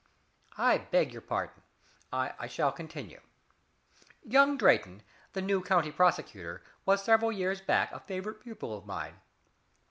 I beg your pardon I shall continue. Young Drayton, the new county prosecutor, was several years back a favorite pupil of mine.